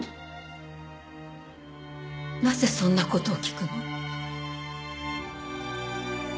なぜそんな事を聞くの？